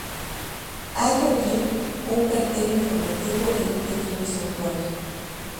Hay allí un cartel informativo y un pequeño santuario.